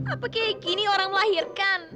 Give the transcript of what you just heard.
apa kayak gini orang melahirkan